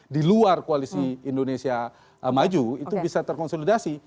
di luar koalisi indonesia maju itu bisa terkonsolidasi